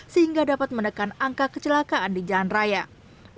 sehingga dapat menekan angka kecelakaan di jalan raya